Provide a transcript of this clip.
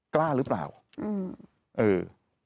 กล้าหรือเปล่าอืมเออ